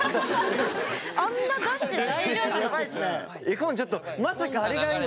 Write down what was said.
絵本ちょっとまさかあれが今。